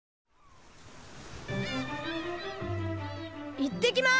いってきます！